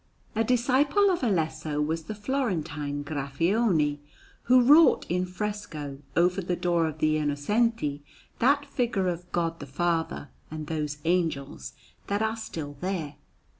A disciple of Alesso was the Florentine Graffione, who wrought in fresco, over the door of the Innocenti, that figure of God the Father and those angels that are still there.